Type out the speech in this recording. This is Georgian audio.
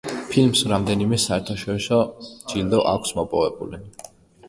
ფილმს რამდენიმე საერთაშორისო ჯილდო აქვს მოპოვებული.